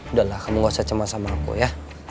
udah lah kamu gak usah cema sama aku ya